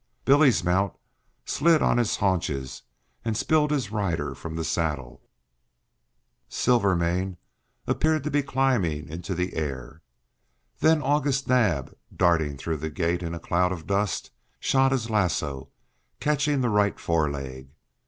Bill's mount slid on his haunches and spilled his rider from the saddle. Silvermane seemed to be climbing into the air. Then August Naab, darting through the gate in a cloud of dust, shot his lasso, catching the right foreleg.